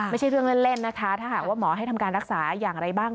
ไม่ใช่เรื่องเล่นนะคะถ้าหากว่าหมอให้ทำการรักษาอย่างไรบ้าง